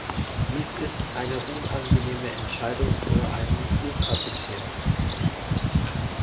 Dies ist eine unangenehme Entscheidung für einen Flugkapitän.